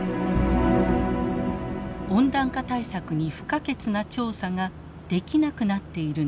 温暖化対策に不可欠な調査ができなくなっているのです。